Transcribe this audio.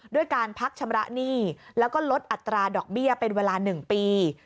ด้วยการพักชำระหนี้แล้วก็ลดอัตราดอกเบี้ยเป็นเวลา๑ปี